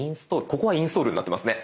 ここはインストールになってますね。